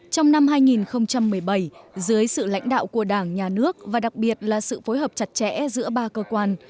trong năm hai nghìn một mươi bảy dưới sự lãnh đạo của đảng nhà nước và đặc biệt là sự phối hợp chặt chẽ giữa ba cơ quan